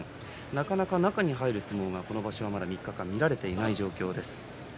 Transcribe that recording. なかなか中に入る相撲がこの場所はまだ３日間見られていない状況です。